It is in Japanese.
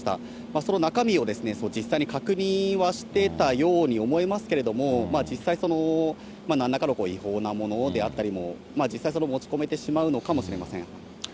その中身を実際に確認はしてたように思いますけれども、実際、なんらかの違法なものであったりも、実際、その持ち込めてしまうのかもしれません。